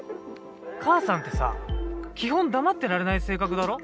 母さんってさ基本黙ってられない性格だろ？